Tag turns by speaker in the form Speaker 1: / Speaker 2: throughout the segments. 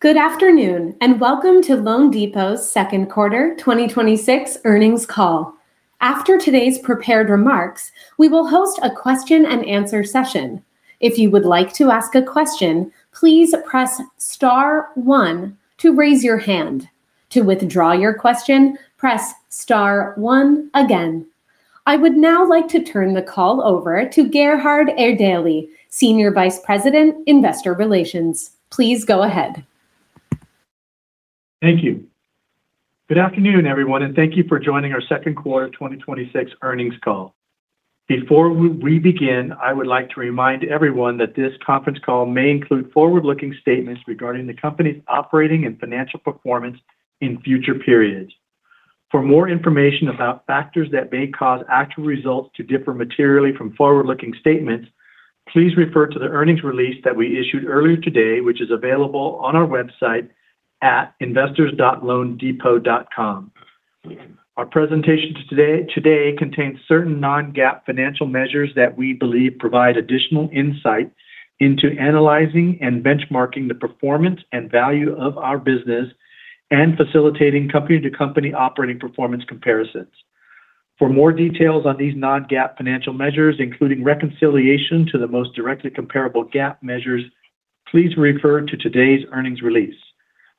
Speaker 1: Good afternoon, welcome to loanDepot's second quarter 2026 earnings call. After today's prepared remarks, we will host a question-and-answer session. If you would like to ask a question, please press star one to raise your hand. To withdraw your question, press star one again. I would now like to turn the call over to Gerhard Erdelji, Senior Vice President, Investor Relations. Please go ahead.
Speaker 2: Thank you. Good afternoon, everyone. Thank you for joining our second quarter 2026 earnings call. Before we begin, I would like to remind everyone that this conference call may include forward-looking statements regarding the company's operating and financial performance in future periods. For more information about factors that may cause actual results to differ materially from forward-looking statements, please refer to the earnings release that we issued earlier today, which is available on our website at investors.loandepot.com. Our presentation today contains certain non-GAAP financial measures that we believe provide additional insight into analyzing and benchmarking the performance and value of our business and facilitating company-to-company operating performance comparisons. For more details on these non-GAAP financial measures, including reconciliation to the most directly comparable GAAP measures, please refer to today's earnings release.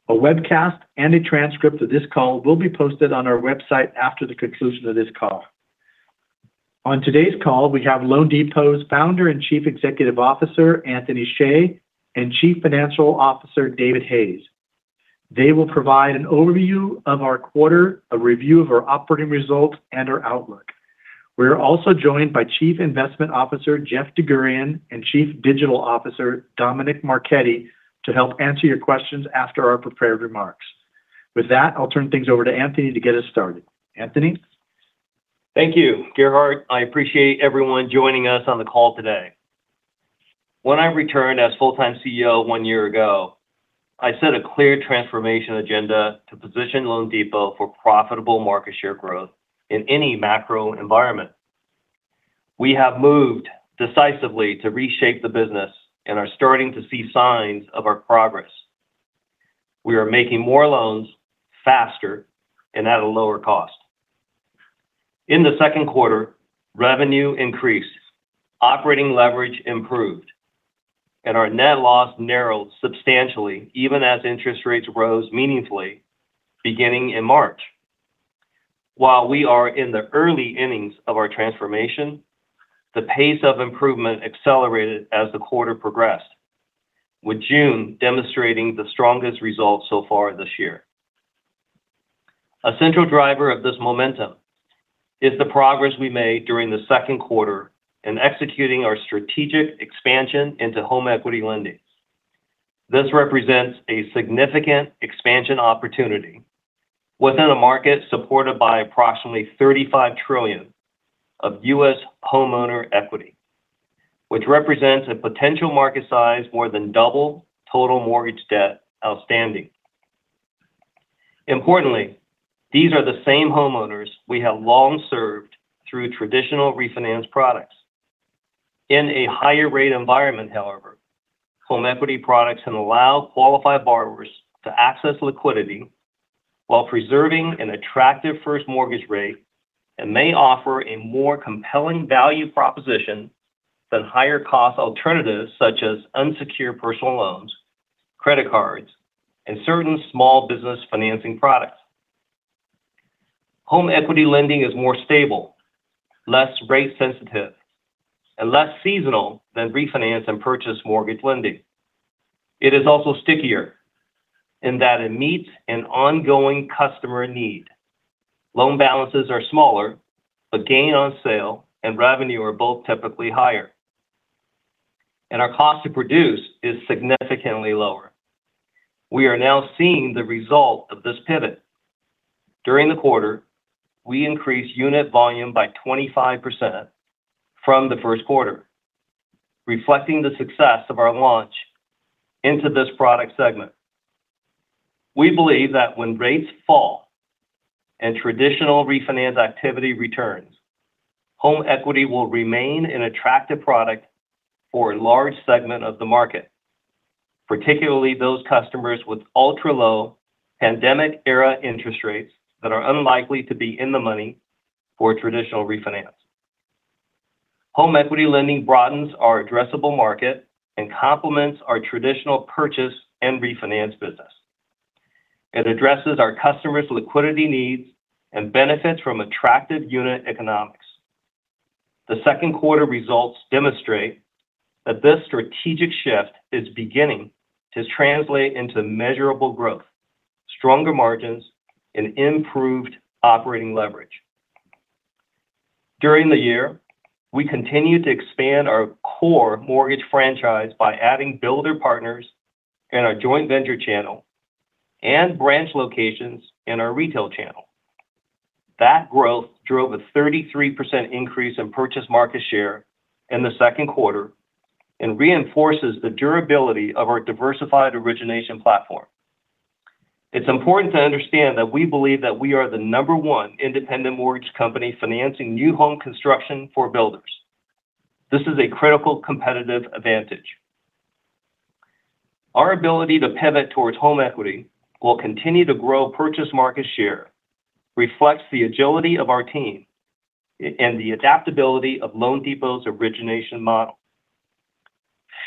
Speaker 2: A webcast and a transcript of this call will be posted on our website after the conclusion of this call. On today's call, we have loanDepot's Founder and Chief Executive Officer, Anthony Hsieh, and Chief Financial Officer, David Hayes. They will provide an overview of our quarter, a review of our operating results, and our outlook. We're also joined by Chief Investment Officer Jeff DerGurahian and Chief Digital Officer Dominick Marchetti to help answer your questions after our prepared remarks. With that, I'll turn things over to Anthony to get us started. Anthony?
Speaker 3: Thank you, Gerhard. I appreciate everyone joining us on the call today. When I returned as full-time CEO one year ago, I set a clear transformation agenda to position loanDepot for profitable market share growth in any macro environment. We have moved decisively to reshape the business and are starting to see signs of our progress. We are making more loans faster and at a lower cost. In the second quarter, revenue increased, operating leverage improved, and our net loss narrowed substantially even as interest rates rose meaningfully beginning in March. While we are in the early innings of our transformation, the pace of improvement accelerated as the quarter progressed, with June demonstrating the strongest results so far this year. A central driver of this momentum is the progress we made during the second quarter in executing our strategic expansion into home equity lending. This represents a significant expansion opportunity within a market supported by approximately $35 trillion of U.S. homeowner equity, which represents a potential market size more than double total mortgage debt outstanding. Importantly, these are the same homeowners we have long served through traditional refinance products. In a higher rate environment, however, home equity products can allow qualified borrowers to access liquidity while preserving an attractive first mortgage rate and may offer a more compelling value proposition than higher cost alternatives such as unsecured personal loans, credit cards, and certain small business financing products. Home equity lending is more stable, less rate sensitive, and less seasonal than refinance and purchase mortgage lending. It is also stickier in that it meets an ongoing customer need. Loan balances are smaller, but gain on sale and revenue are both typically higher. Our cost to produce is significantly lower. We are now seeing the result of this pivot. During the quarter, we increased unit volume by 25% from the first quarter, reflecting the success of our launch into this product segment. We believe that when rates fall and traditional refinance activity returns, home equity will remain an attractive product for a large segment of the market, particularly those customers with ultra-low pandemic-era interest rates that are unlikely to be in the money for a traditional refinance. Home equity lending broadens our addressable market and complements our traditional purchase and refinance business. It addresses our customers' liquidity needs and benefits from attractive unit economics. The second quarter results demonstrate that this strategic shift is beginning to translate into measurable growth, stronger margins, and improved operating leverage. During the year, we continued to expand our core mortgage franchise by adding builder partners in our joint venture channel and branch locations in our retail channel. That growth drove a 33% increase in purchase market share in the second quarter and reinforces the durability of our diversified origination platform. It's important to understand that we believe that we are the number one independent mortgage company financing new home construction for builders. This is a critical competitive advantage. Our ability to pivot towards home equity will continue to grow purchase market share, reflects the agility of our team, and the adaptability of loanDepot's origination model.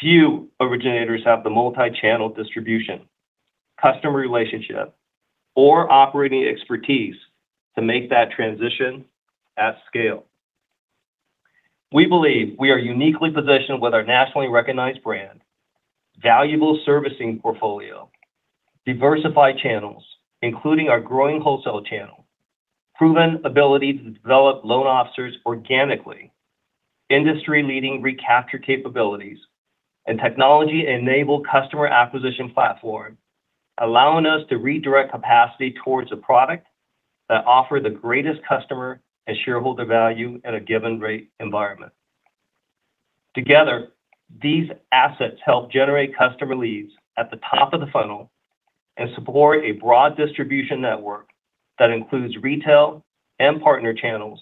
Speaker 3: Few originators have the multi-channel distribution, customer relationship, or operating expertise to make that transition at scale. We believe we are uniquely positioned with our nationally recognized brand, valuable servicing portfolio, diversified channels, including our growing wholesale channel, proven ability to develop loan officers organically, industry-leading recapture capabilities, and technology-enabled customer acquisition platform, allowing us to redirect capacity towards a product that offers the greatest customer and shareholder value at a given rate environment. Together, these assets help generate customer leads at the top of the funnel and support a broad distribution network that includes retail and partner channels,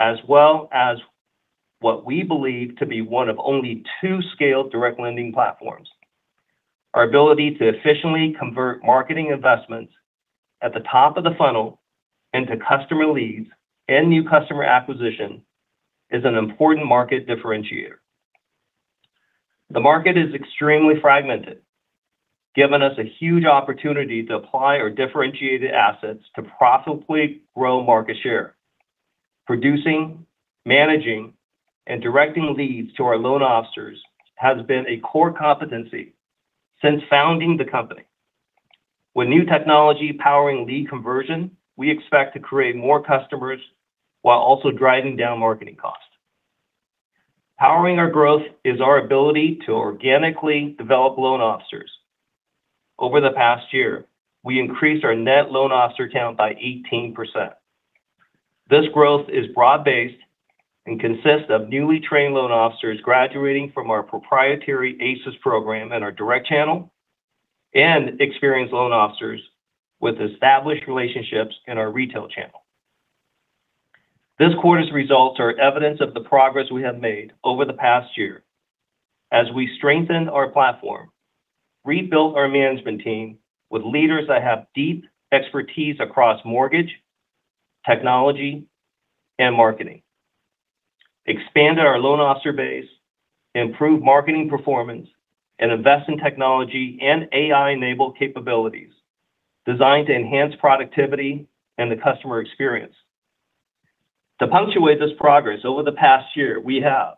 Speaker 3: as well as what we believe to be one of only two scaled direct lending platforms. Our ability to efficiently convert marketing investments at the top of the funnel into customer leads and new customer acquisition is an important market differentiator. The market is extremely fragmented, giving us a huge opportunity to apply our differentiated assets to profitably grow market share. Producing, managing, and directing leads to our loan officers has been a core competency since founding the company. With new technology powering lead conversion, we expect to create more customers while also driving down marketing costs. Powering our growth is our ability to organically develop loan officers. Over the past year, we increased our net loan officer count by 18%. This growth is broad-based and consists of newly trained loan officers graduating from our proprietary ACES program in our direct channel and experienced loan officers with established relationships in our retail channel. This quarter's results are evidence of the progress we have made over the past year as we strengthen our platform, rebuild our management team with leaders that have deep expertise across mortgage, technology, and marketing, expand our loan officer base, improve marketing performance, and invest in technology and AI-enabled capabilities designed to enhance productivity and the customer experience. To punctuate this progress, over the past year, we have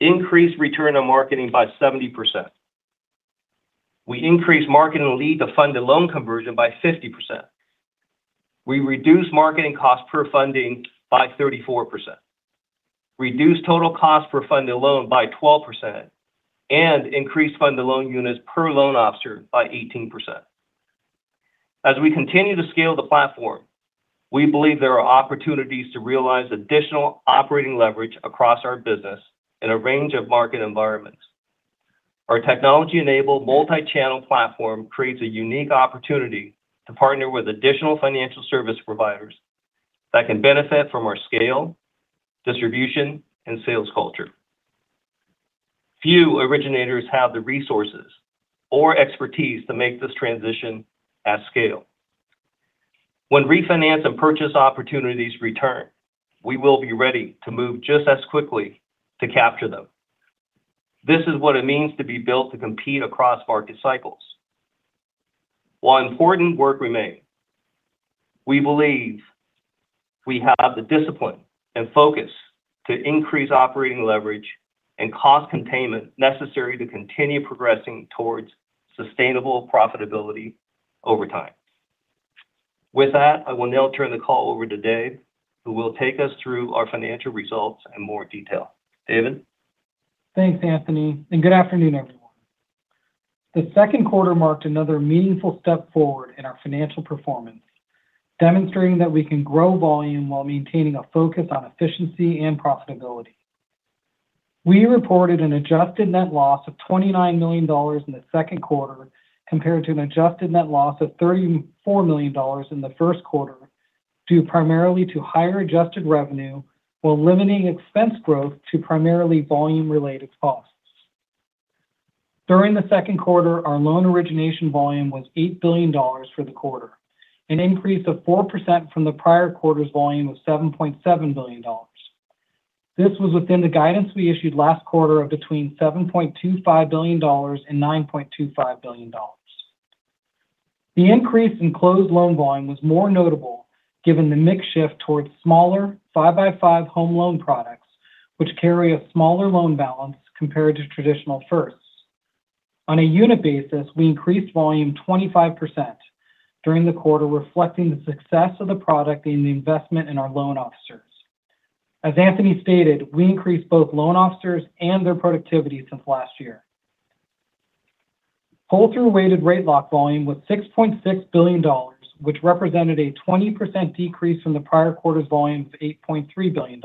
Speaker 3: increased return on marketing by 70%. We increased marketing lead to funded loan conversion by 50%. We reduced marketing cost per funding by 34%, reduced total cost per funded loan by 12%, and increased funded loan units per loan officer by 18%. As we continue to scale the platform, we believe there are opportunities to realize additional operating leverage across our business in a range of market environments. Our technology-enabled multi-channel platform creates a unique opportunity to partner with additional financial service providers that can benefit from our scale, distribution, and sales culture. Few originators have the resources or expertise to make this transition at scale. When refinance and purchase opportunities return, we will be ready to move just as quickly to capture them. This is what it means to be built to compete across market cycles. While important work remain, we believe we have the discipline and focus to increase operating leverage and cost containment necessary to continue progressing towards sustainable profitability over time. With that, I will now turn the call over to Dave, who will take us through our financial results in more detail. David?
Speaker 4: Thanks, Anthony, and good afternoon, everyone. The second quarter marked another meaningful step forward in our financial performance, demonstrating that we can grow volume while maintaining a focus on efficiency and profitability. We reported an adjusted net loss of $29 million in the second quarter compared to an adjusted net loss of $34 million in the first quarter, due primarily to higher adjusted revenue, while limiting expense growth to primarily volume-related costs. During the second quarter, our loan origination volume was $8 billion for the quarter, an increase of 4% from the prior quarter's volume of $7.7 billion. This was within the guidance we issued last quarter of between $7.25 billion and $9.25 billion. The increase in closed loan volume was more notable given the mix shift towards smaller five-by-five Home Loan products, which carry a smaller loan balance compared to traditional firsts. On a unit basis, we increased volume 25% during the quarter, reflecting the success of the product and the investment in our loan officers. As Anthony stated, we increased both loan officers and their productivity since last year. Pull-through weighted rate lock volume was $6.6 billion, which represented a 20% decrease from the prior quarter's volume of $8.3 billion.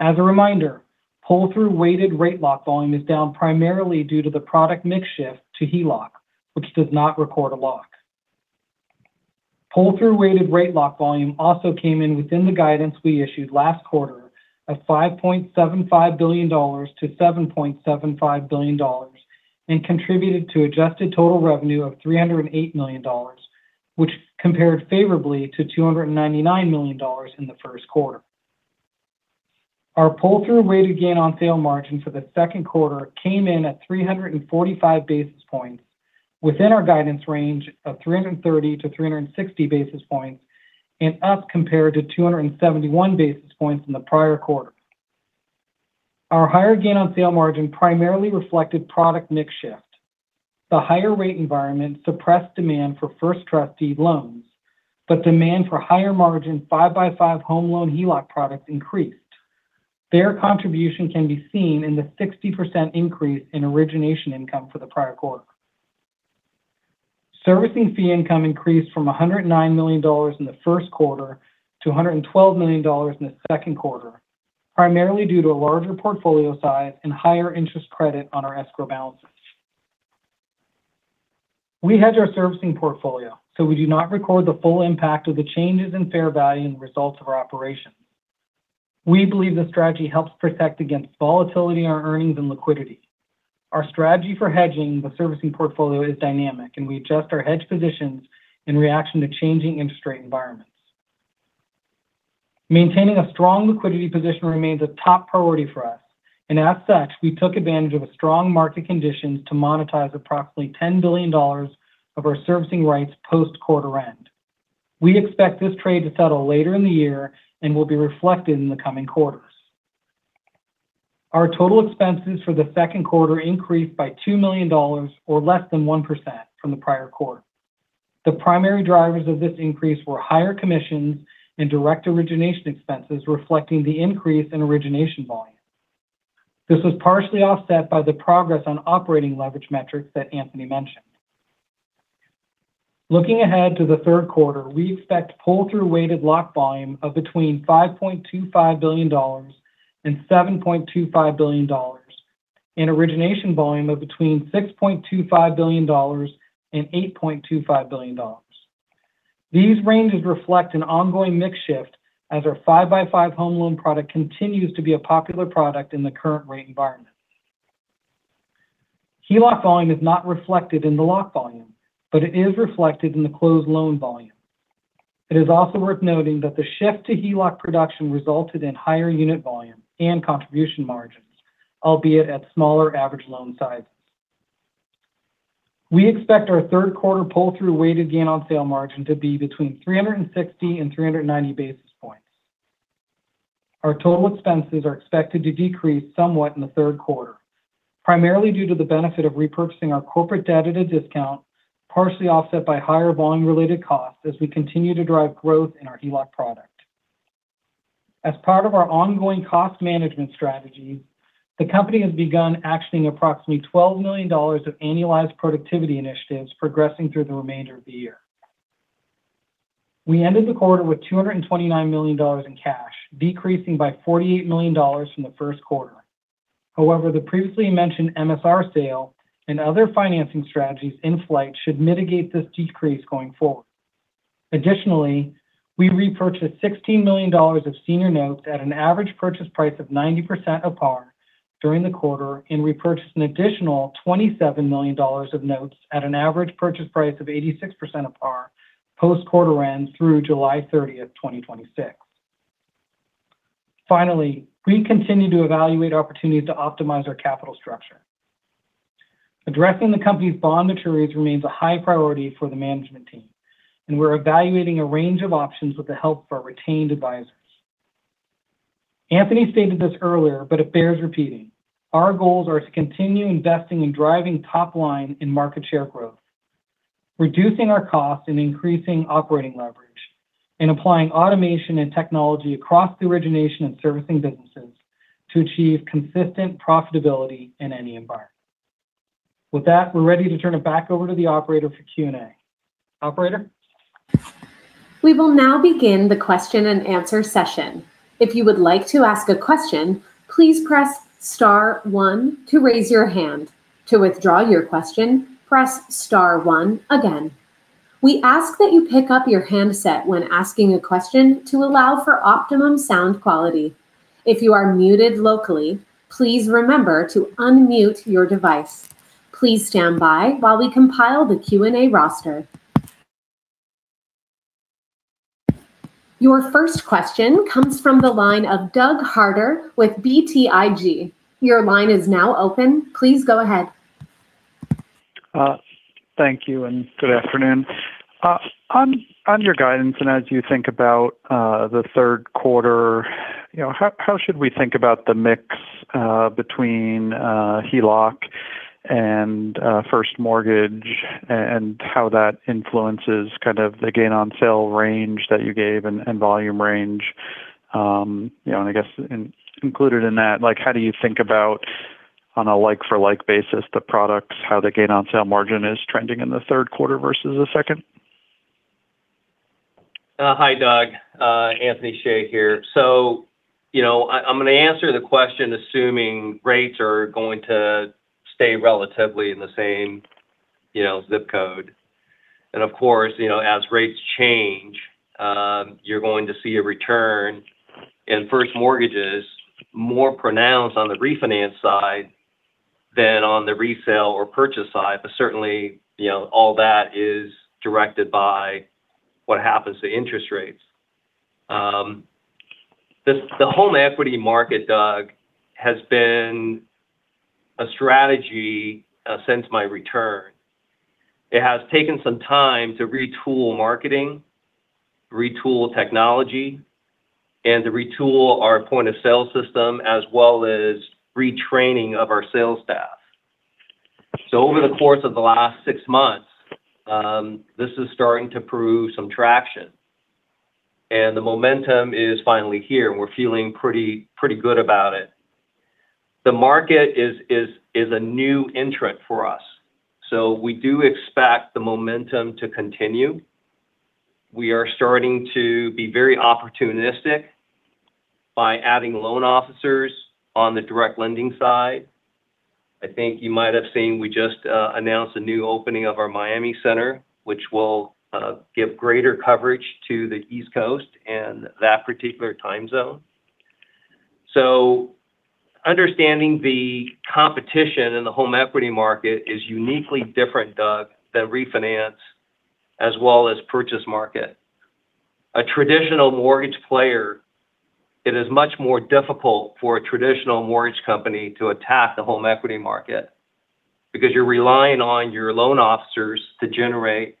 Speaker 4: As a reminder, pull-through weighted rate lock volume is down primarily due to the product mix shift to HELOC, which does not record a lock. Pull-through weighted rate lock volume came in within the guidance we issued last quarter of $5.75 billion-$7.75 billion and contributed to adjusted total revenue of $308 million, which compared favorably to $299 million in the first quarter. Our pull-through weighted gain on sale margin for the second quarter came in at 345 basis points within our guidance range of 330-360 basis points and up compared to 271 basis points in the prior quarter. Our higher gain on sale margin primarily reflected product mix shift. The higher rate environment suppressed demand for first trust deed loans; demand for higher margin 5x5 Home Loan HELOC products increased. Their contribution can be seen in the 60% increase in origination income for the prior quarter. Servicing fee income increased from $109 million in the first quarter to $112 million in the second quarter, primarily due to a larger portfolio size and higher interest credit on our escrow balances. We hedge our servicing portfolio; we do not record the full impact of the changes in fair value in the results of our operations. We believe this strategy helps protect against volatility in our earnings and liquidity. Our strategy for hedging the servicing portfolio is dynamic; we adjust our hedge positions in reaction to changing industry environments. Maintaining a strong liquidity position remains a top priority for us. As such, we took advantage of strong market conditions to monetize approximately $10 billion of our servicing rights post quarter-end. We expect this trade to settle later in the year and will be reflected in the coming quarters. Our total expenses for the second quarter increased by $2 million, or less than 1% from the prior quarter. The primary drivers of this increase were higher commissions and direct origination expenses reflecting the increase in origination volume. This was partially offset by the progress on operating leverage metrics that Anthony mentioned. Looking ahead to the third quarter, we expect pull-through weighted lock volume of between $5.25 billion and $7.25 billion, and origination volume of between $6.25 billion and $8.25 billion. These ranges reflect an ongoing mix shift as our 5x5 Home Loan product continues to be a popular product in the current rate environment. HELOC volume is not reflected in the lock volume, it is reflected in the closed loan volume. It is also worth noting that the shift to HELOC production resulted in higher unit volume and contribution margins, albeit at smaller average loan sizes. We expect our third quarter pull-through weighted gain on sale margin to be between 360 and 390 basis points. Our total expenses are expected to decrease somewhat in the third quarter, primarily due to the benefit of repurchasing our corporate debt at a discount, partially offset by higher volume-related costs as we continue to drive growth in our HELOC product. As part of our ongoing cost management strategy, the company has begun actioning approximately $12 million of annualized productivity initiatives progressing through the remainder of the year. We ended the quarter with $229 million in cash, decreasing by $48 million from the first quarter. However, the previously mentioned MSR sale and other financing strategies in flight should mitigate this decrease going forward. Additionally, we repurchased $16 million of senior notes at an average purchase price of 90% of par during the quarter and repurchased an additional $27 million of notes at an average purchase price of 86% of par post-quarter-end through July 30th, 2026. We continue to evaluate opportunities to optimize our capital structure. Addressing the company's bond maturities remains a high priority for the management team, and we're evaluating a range of options with the help of our retained advisors. Anthony stated this earlier, but it bears repeating. Our goals are to continue investing in driving top line and market share growth, reducing our costs and increasing operating leverage, and applying automation and technology across the origination and servicing businesses to achieve consistent profitability in any environment. With that, we're ready to turn it back over to the operator for Q&A. Operator?
Speaker 1: We will now begin the question and answer session. If you would like to ask a question, please press star one to raise your hand. To withdraw your question, press star one again. We ask that you pick up your handset when asking a question to allow for optimum sound quality. If you are muted locally, please remember to unmute your device. Please stand by while we compile the Q&A roster. Your first question comes from the line of Doug Harter with BTIG. Your line is now open. Please go ahead.
Speaker 5: Thank you. Good afternoon. On your guidance, as you think about the third quarter, how should we think about the mix between HELOC and first mortgage and how that influences kind of the gain on sale range that you gave and volume range? I guess included in that, how do you think about on a like-for-like basis the products, how the gain on sale margin is trending in the third quarter versus the second?
Speaker 3: Hi, Doug. Anthony Hsieh here. I'm going to answer the question assuming rates are going to stay relatively in the same ZIP code. Of course, as rates change, you're going to see a return in first mortgages more pronounced on the refinance side than on the resale or purchase side. Certainly, all that is directed by what happens to interest rates. The home equity market, Doug, has been a strategy since my return. It has taken some time to retool marketing, retool technology, and to retool our point-of-sale system, as well as retraining of our sales staff. Over the course of the last six months, this is starting to prove some traction, and the momentum is finally here, and we're feeling pretty good about it. The market is a new entrant for us, so we do expect the momentum to continue. We are starting to be very opportunistic by adding loan officers on the direct lending side. I think you might have seen we just announced a new opening of our Miami center, which will give greater coverage to the East Coast and that particular time zone. Understanding the competition in the home equity market is uniquely different, Doug, than refinance as well as purchase market. It is much more difficult for a traditional mortgage company to attack the home equity market because you're relying on your loan officers to generate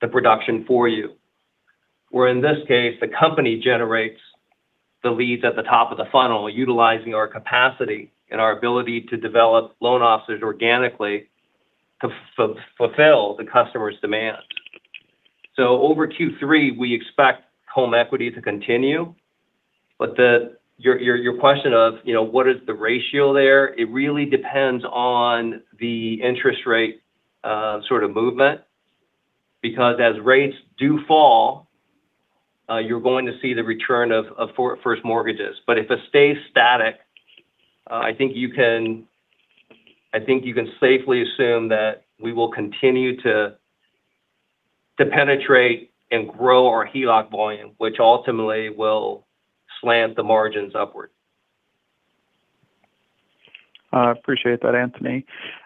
Speaker 3: the production for you. Where in this case, the company generates the leads at the top of the funnel, utilizing our capacity and our ability to develop loan officers organically to fulfill the customer's demand. Over Q3, we expect home equity to continue. Your question of what is the ratio there: it really depends on the interest rate movement because as rates do fall, you're going to see the return of first mortgages. If it stays static, I think you can safely assume that we will continue to penetrate and grow our HELOC volume, which ultimately will slant the margins upward.
Speaker 5: I appreciate that, Anthony.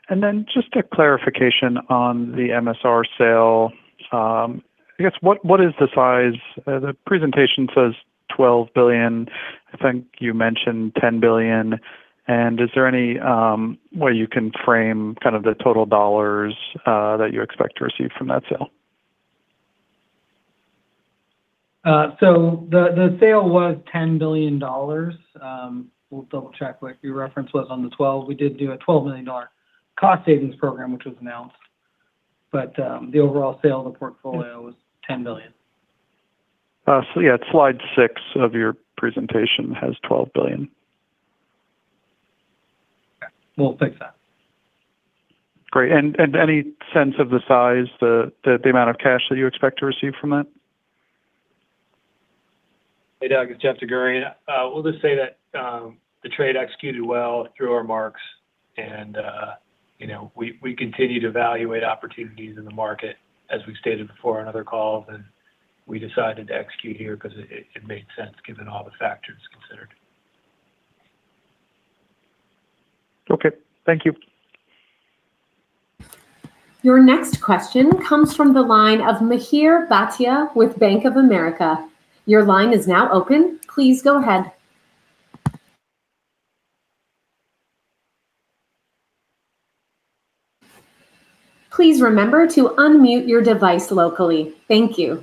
Speaker 5: Then just a clarification on the MSR sale. I guess, what is the size? The presentation says $12 billion. I think you mentioned $10 billion. Is there any way you can frame the total dollars that you expect to receive from that sale?
Speaker 3: The sale was $10 billion. We'll double-check what your reference was on the $12. We did do a $12 million cost savings program, which was announced. The overall sale of the portfolio was $10 billion.
Speaker 5: Yeah, slide six of your presentation has $12 billion.
Speaker 3: We'll fix that.
Speaker 5: Great. Any sense of the size, the amount of cash that you expect to receive from it?
Speaker 6: Hey, Doug, it's Jeff DerGurahian. We'll just say that the trade executed well through our marks; we continue to evaluate opportunities in the market, as we've stated before on other calls. We decided to execute here because it made sense given all the factors considered.
Speaker 5: Okay. Thank you.
Speaker 1: Your next question comes from the line of Mihir Bhatia with Bank of America. Your line is now open. Please go ahead. Please remember to unmute your device locally. Thank you.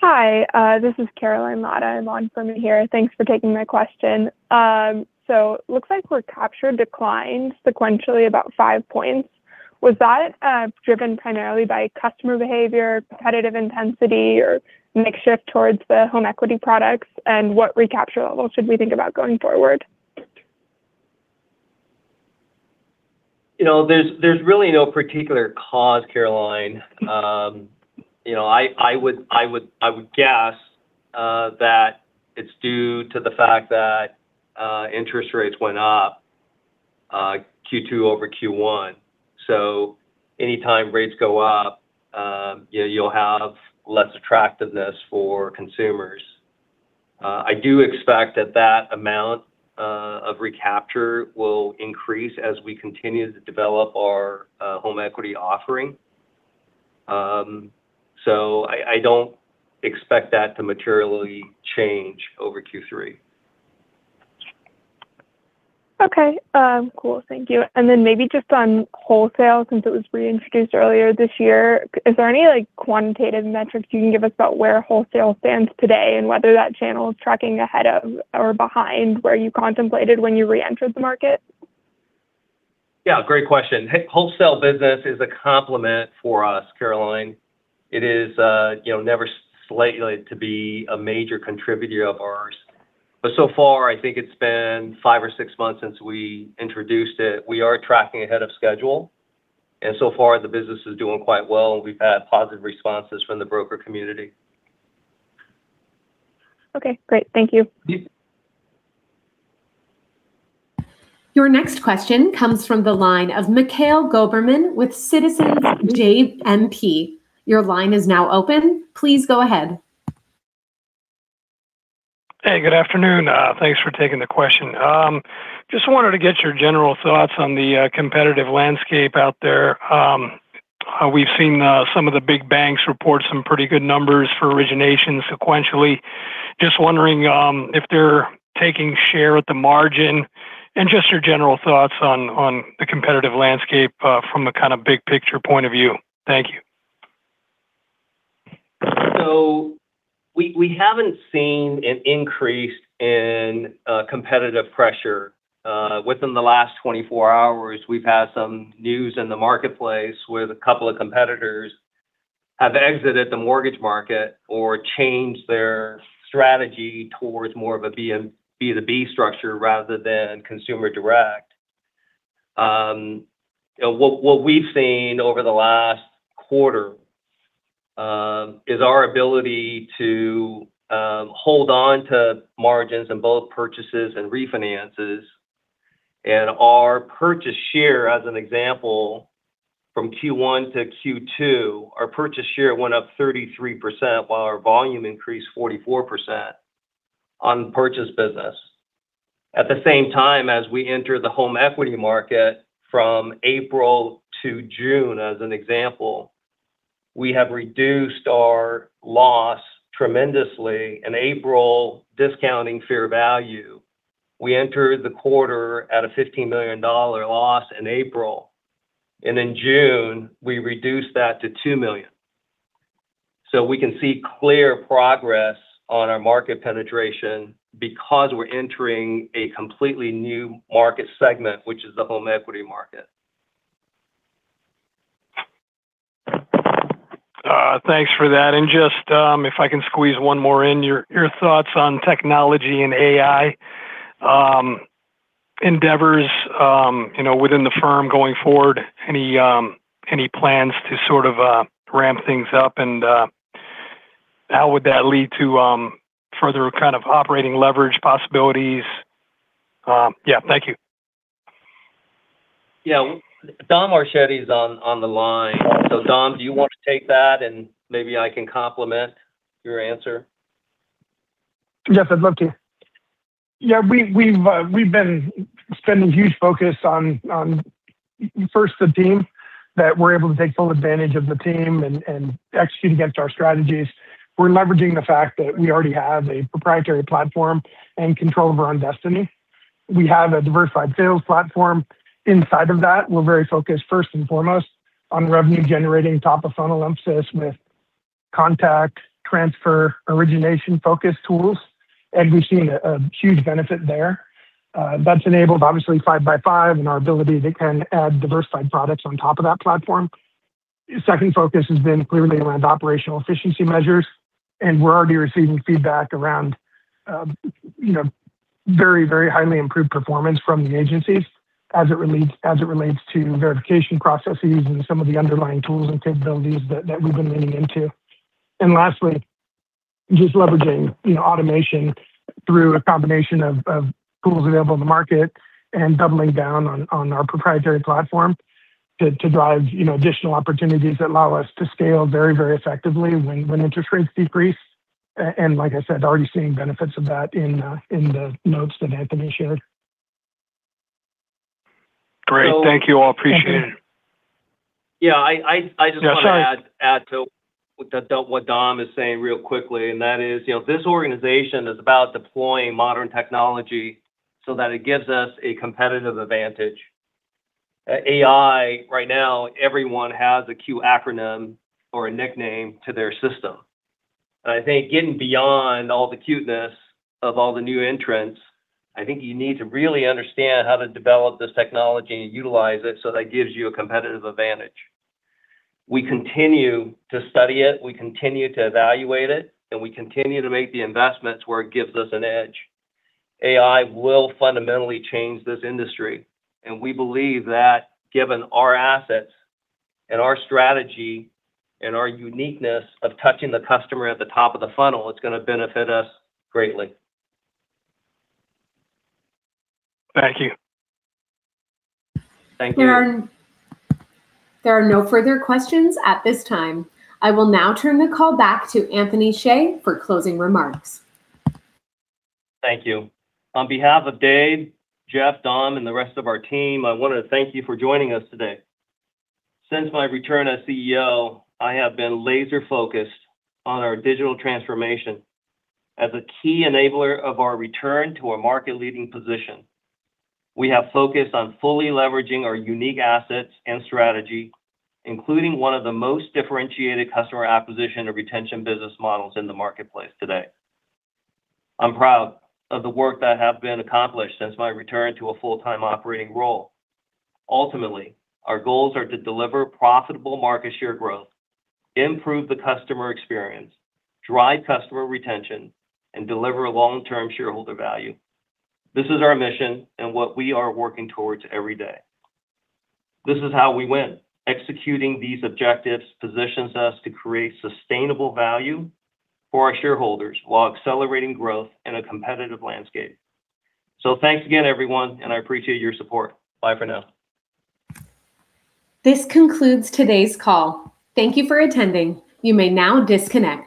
Speaker 7: Hi, this is Caroline Lada. I'm on for Mihir. Thanks for taking my question. Looks like your capture declined sequentially about five points. Was that driven primarily by customer behavior, competitive intensity, or mix shift towards the home equity products? What recapture level should we think about going forward?
Speaker 3: There's really no particular cause, Caroline. I would guess that it's due to the fact that interest rates went up Q2 over Q1. Any time rates go up, you'll have less attractiveness for consumers. I do expect that amount of recapture will increase as we continue to develop our home equity offering. I don't expect that to materially change over Q3.
Speaker 7: Okay. Cool. Thank you. Maybe just on wholesale, since it was reintroduced earlier this year, is there any quantitative metrics you can give us about where wholesale stands today and whether that channel is tracking ahead of or behind where you contemplated when you reentered the market?
Speaker 3: Yeah, great question. Wholesale business is a complement for us, Caroline. It is never slated to be a major contributor. So far, I think it's been five or six months since we introduced it. We are tracking ahead of schedule, and so far the business is doing quite well, and we've had positive responses from the broker community.
Speaker 7: Okay, great. Thank you.
Speaker 3: Yep.
Speaker 1: Your next question comes from the line of Mikhail Goberman with Citizens JMP. Your line is now open. Please go ahead.
Speaker 8: Hey, good afternoon. Thanks for taking the question. Wanted to get your general thoughts on the competitive landscape out there. We've seen some of the big banks report some pretty good numbers for origination sequentially. Wondering if they're taking share at the margin and your general thoughts on the competitive landscape from a kind of big picture point of view. Thank you.
Speaker 3: We haven't seen an increase in competitive pressure. Within the last 24 hours, we've had some news in the marketplace where a couple of competitors have exited the mortgage market or changed their strategy towards more of a B2B structure rather than consumer direct. What we've seen over the last quarter is our ability to hold on to margins in both purchases and refinances. Our purchase share, as an example, from Q1 to Q2, our purchase share went up 33%, while our volume increased 44% on purchase business. At the same time, as we enter the home equity market from April to June, as an example, we have reduced our loss tremendously. In April, discounting fair value, we entered the quarter at a $15 million loss in April, and in June, we reduced that to $2 million. We can see clear progress on our market penetration because we're entering a completely new market segment, which is the home equity market.
Speaker 8: Thanks for that. Just if I can squeeze one more in, your thoughts on technology and AI endeavors within the firm going forward. Any plans to sort of ramp things up, and how would that lead to further kind of operating leverage possibilities? Yeah. Thank you.
Speaker 3: Yeah. Dom Marchetti is on the line. Dom, do you want to take that and maybe I can complement your answer?
Speaker 9: Yes, I'd love to. Yeah, we've been spending huge focus on first the team, that we're able to take full advantage of the team and execute against our strategies. We're leveraging the fact that we already have a proprietary platform and control over our own destiny. We have a diversified sales platform inside of that. We're very focused, first and foremost, on revenue-generating top-of-funnel impulses with contact transfer origination focus tools, and we've seen a huge benefit there. That's enabled, obviously, 5x5 and our ability to then add diversified products on top of that platform. Second focus has been clearly around operational efficiency measures, and we're already receiving feedback around very highly improved performance from the agencies as it relates to verification processes and some of the underlying tools and capabilities that we've been leaning into. Lastly, just leveraging automation through a combination of tools available in the market and doubling down on our proprietary platform to drive additional opportunities that allow us to scale very effectively when interest rates decrease. Like I said, already seeing benefits of that in the notes that Anthony shared.
Speaker 8: Great. Thank you all. Appreciate it.
Speaker 3: Yeah, I just want to add-
Speaker 8: Yeah, sorry
Speaker 3: To what Dom is saying real quickly, and that is this organization is about deploying modern technology so that it gives us a competitive advantage. AI right now, everyone has a cute acronym or a nickname to their system. I think getting beyond all the cuteness of all the new entrants, I think you need to really understand how to develop this technology and utilize it so that it gives you a competitive advantage. We continue to study it, we continue to evaluate it, and we continue to make the investments where it gives us an edge. AI will fundamentally change this industry, and we believe that given our assets and our strategy and our uniqueness of touching the customer at the top of the funnel, it's going to benefit us greatly.
Speaker 8: Thank you.
Speaker 3: Thank you.
Speaker 1: There are no further questions at this time. I will now turn the call back to Anthony Hsieh for closing remarks.
Speaker 3: Thank you. On behalf of Dave, Jeff, Dom, and the rest of our team, I want to thank you for joining us today. Since my return as CEO, I have been laser-focused on our digital transformation as a key enabler of our return to our market leading position. We have focused on fully leveraging our unique assets and strategy, including one of the most differentiated customer acquisition or retention business models in the marketplace today. I'm proud of the work that has been accomplished since my return to a full-time operating role. Ultimately, our goals are to deliver profitable market share growth, improve the customer experience, drive customer retention, and deliver long-term shareholder value. This is our mission and what we are working towards every day. This is how we win. Executing these objectives positions us to create sustainable value for our shareholders while accelerating growth in a competitive landscape. Thanks again, everyone, and I appreciate your support. Bye for now.
Speaker 1: This concludes today's call. Thank you for attending. You may now disconnect.